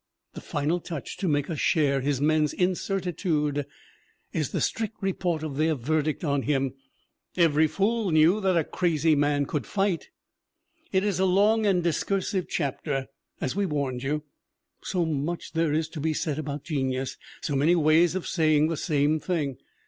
The final touch to make us share his men's incertitude is the 1 52 THE WOMEN WHO MAKE OUR NOVELS strict report of their verdict on him "every fool knew that a crazy man could fight!" It is a long and discursive chapter, as we warned you. So much there is to be said about genius, so many ways of saying the same thing